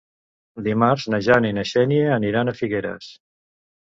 Dimarts na Jana i na Xènia aniran a Figueres.